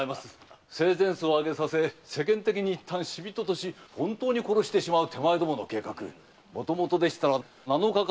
生前葬をあげさせ世間的に一度死人とし本当に殺してしまう手前どもの計画もともとは七日間の猶予しかございません。